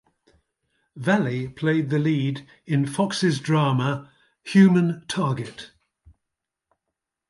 Valley played the lead in Fox's drama "Human Target".